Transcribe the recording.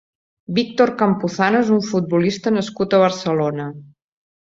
Víctor Campuzano és un futbolista nascut a Barcelona.